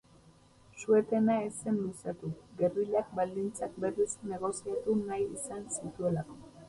Su-etena ez zen luzatu, gerrillak baldintzak berriz negoziatu nahi izan zituelako.